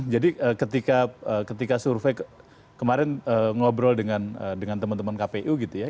jadi ketika survei kemarin ngobrol dengan teman teman kpu gitu ya